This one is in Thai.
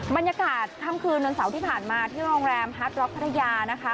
บรรยากาศค่ำคืนวันเสาร์ที่ผ่านมาที่โรงแรมฮาร์ดร็อกพัทยานะคะ